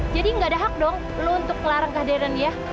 jadi gak ada hak dong lo untuk ngelarang kehadirannya